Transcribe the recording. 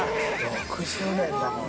６０年だもん。